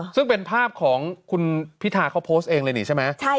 ซึ่งเป็นภาพของคุณพิธาเขาโพสต์เองเลยนี่ใช่ไหม